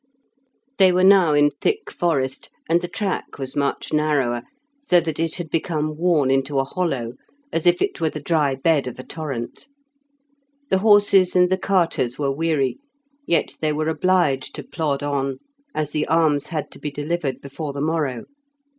They were now in thick forest, and the track was much narrower, so that it had become worn into a hollow, as if it were the dry bed of a torrent. The horses and the carters were weary, yet they were obliged to plod on, as the arms had to be delivered before the morrow.